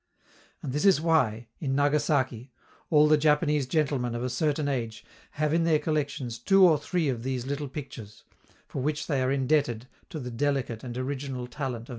And this is why, in Nagasaki, all the Japanese gentlemen of a certain age have in their collections two or three of these little pictures, for which they are indebted to the delicate and original talent of M.